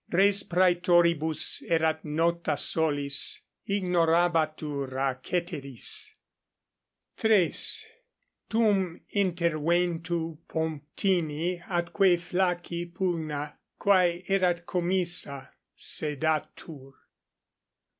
Res praetoribus erat nota solis, ignorabatur a ceteris. =3.= Tum interventu Pomptini atque Flacci pugna, quae erat commissa, sedatur.